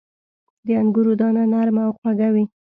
• د انګورو دانه نرمه او خواږه وي.